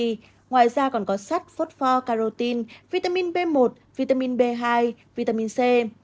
ngoài ra còn có sắt phốt pho carotin vitamin b một vitamin b hai vitamin c